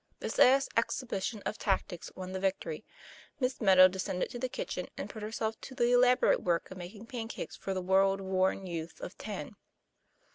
This last exhibition of tactics won the victory. Miss Meadow descended to the kitchen, and put her self to the elaborate work of making pancakes for the world worn youth of ten.